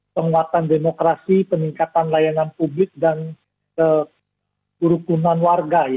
penguatan demokrasi peningkatan layanan publik dan kerukunan warga